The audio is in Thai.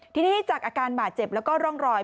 ทีนี้จากอาการบาดเจ็บแล้วก็ร่องรอย